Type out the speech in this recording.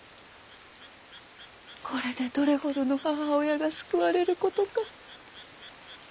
これでどれほどの母親が救われることか。